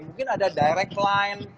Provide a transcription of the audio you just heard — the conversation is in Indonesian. mungkin ada direct line